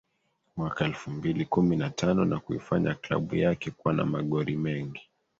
Mwaka elfu mbili kumi na tano na kuifanya klabu yake kuwa na magori mengi